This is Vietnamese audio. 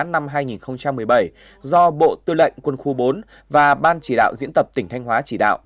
năm hai nghìn một mươi bảy do bộ tư lệnh quân khu bốn và ban chỉ đạo diễn tập tỉnh thanh hóa chỉ đạo